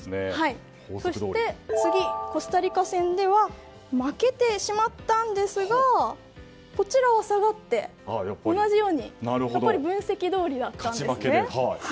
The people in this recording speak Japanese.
そして、コスタリカ戦では負けてしまったんですがこちらは下がって同じようにやっぱり分析どおりだったんです。